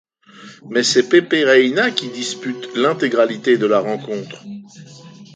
Mais c’est Pepe Reina qui dispute l’intégralité de la rencontre.